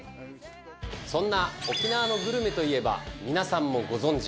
そんな沖縄のグルメといえば皆さんもご存じ。